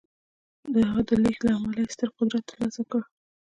د هغه د لېږد له امله یې ستر قدرت ترلاسه کړ